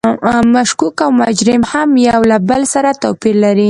مشکوک او مجرم هم یو له بل سره توپیر لري.